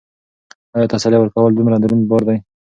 ایا تسلي ورکول دومره دروند بار دی؟